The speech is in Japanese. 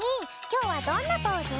きょうはどんなポーズ？